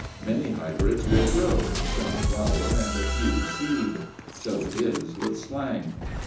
Many hybrids will grow, some flower and a few seed. So it is with slang.